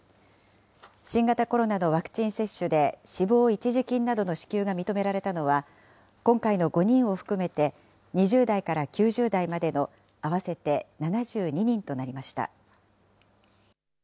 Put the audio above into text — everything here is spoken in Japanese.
新型コロナのワクチン接種で死亡一時金などの支給が認められたのは、今回の５人を含めて２０代から９０代までの合わせて７２人となりました。